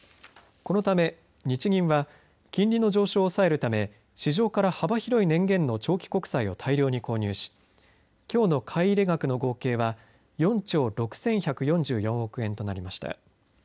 このため日銀は金利の上昇を抑えるため市場から幅広い年限の長期国債を大量に購入しきょうの買い入れ額の合計は４兆６１４４億円となりました。